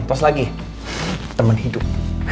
terus lagi temen hidup